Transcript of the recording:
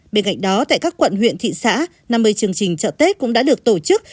bên cạnh đó tại các quận huyện thị xã năm mươi chương trình chợ tết cũng đã được tổ chức